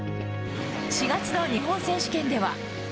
４月の日本選手権では。